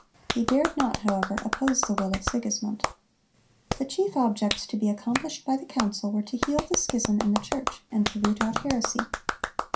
He dared not, however, oppose the will of Sigismund.(133) The chief objects to be accomplished by the council were to heal the schism in the church, and to root out heresy.